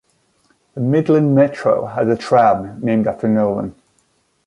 The Midland Metro has a tram named after Nolan.